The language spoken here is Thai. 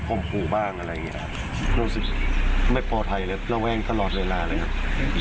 อะไรอย่างนี้ครับรู้สึกไม่ปลอดภัยเลยแล้วแว่งตลอดเวลาเลยครับ